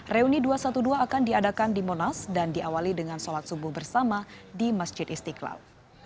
reuni dua ratus dua belas akan diadakan di monas dan diawali dengan sholat subuh bersama di masjid istiqlal